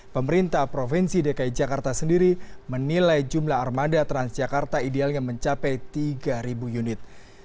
pemerintah provinsi dki jakarta sendiri menilai jumlah armada transjakarta idealnya mencapai tiga unit